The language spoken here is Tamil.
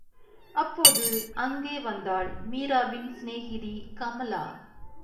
அப்போது, அங்கே வந்தாள் மீராவின் சிநேகிதி கமலா.